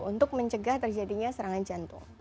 untuk mencegah terjadinya serangan jantung